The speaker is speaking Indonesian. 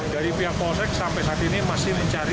dari pihak polsek sampai saat ini masih mencari